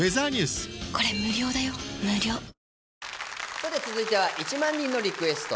さて続いては１万人のリクエスト。